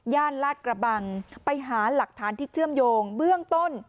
ลาดกระบังไปหาหลักฐานที่เชื่อมโยงเบื้องต้น